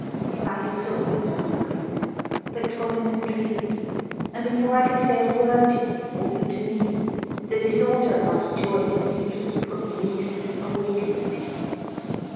Yet I saw you last night, but 'twas in a dream; and before I could say a word to you, or you to me, the disorder my joy to see you had put me into awakened me.